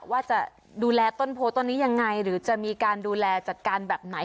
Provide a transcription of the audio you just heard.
ว่าจะดูแลต้นโพต้นนี้ยังไงหรือจะมีการดูแลจัดการแบบไหน